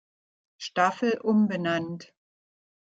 Staffel umbenannt.